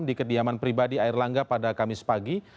di kediaman pribadi air langga pada kamis pagi